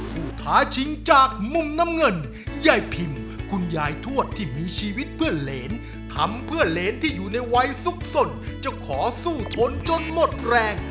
สวัสดีค่ะสวัสดีครับสวัสดีน้องเลงด้วยครับสวัสดีครับน้องเลง